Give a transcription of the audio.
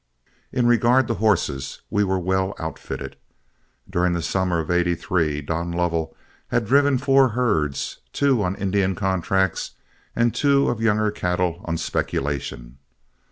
In regard to horses we were well outfitted. During the summer of '83, Don Lovell had driven four herds, two on Indian contract and two of younger cattle on speculation.